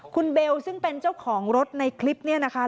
คุณเบลซึ่งเป็นเจ้าของรถในคลิปนี้นะคะ